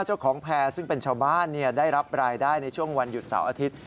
แพร่ซึ่งเป็นชาวบ้านได้รับรายได้ในช่วงวันหยุดเสาร์อาทิตย์